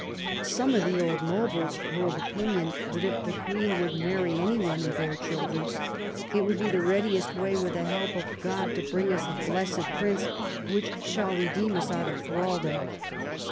Some of the old nobles were of opinion that if the Queen would marry any one and bear children, it would be the readiest way, with the help of God, to bring us a blessed Prince which shall redeem us out of thraldom *'.